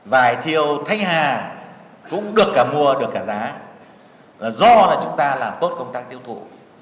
vải thiều thanh hà cũng được cả mua được cả giá do là chúng ta làm tốt công tác tiêu thụ